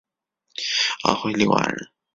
安徽六安人。